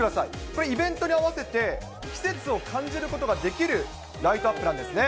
これ、イベントに合わせて、季節を感じることができるライトアップなんですね。